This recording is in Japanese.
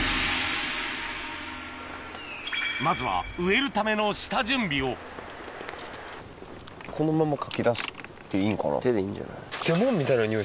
まずは植えるための下準備をこのままかき出していいんかな？